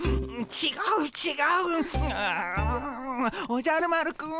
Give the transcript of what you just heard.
おじゃる丸くん。